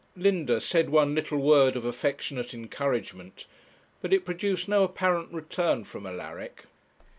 Linda said one little word of affectionate encouragement, but it produced no apparent return from Alaric.